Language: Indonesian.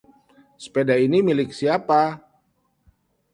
Sepeda ini milik siapa?